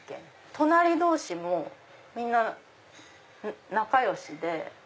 隣同士もみんな仲良しで。